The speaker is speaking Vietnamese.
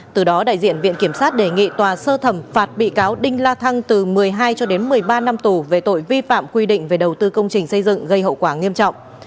từ đó đại diện viện kiểm sát đề nghị tòa sơ thẩm phạt bị cáo đinh la thăng từ một mươi hai cho đến một mươi ba năm tù về tội vi phạm quy định về đầu tư công trình xây dựng gây hậu quả nghiêm trọng